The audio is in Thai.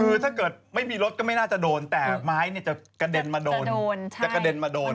คือถ้าเกิดไม่มีรถก็ไม่น่าจะโดนแต่ไม้จะกระเด็นมาโดน